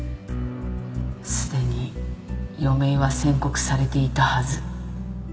すでに余命は宣告されていたはず。